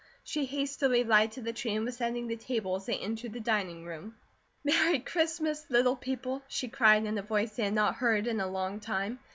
She hastily lighted the tree, and was setting the table as they entered the dining room. "Merry Christmas, little people," she cried in a voice they had not heard in a long time.